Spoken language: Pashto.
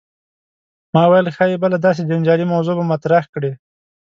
ما ویل ښايي بله داسې جنجالي موضوع به مطرح کړې.